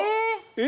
え。